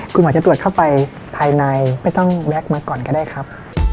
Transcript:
คุณหมอจะตรวจเข้าไปภายในไม่ต้องแวะมาก่อนก็ได้ครับ